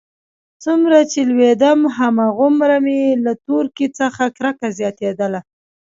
څومره چې لوېيدم هماغومره مې له تورکي څخه کرکه زياتېدله.